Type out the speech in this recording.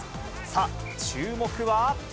さあ、注目は。